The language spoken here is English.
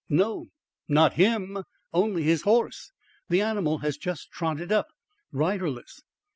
"No, not HIM; only his horse. The animal has just trotted up riderless."